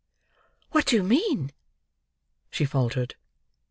"What do you mean!" she faltered.